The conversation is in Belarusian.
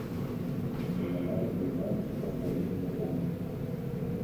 Яна развіваецца па сваіх законах.